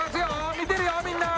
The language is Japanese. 見てるよみんな！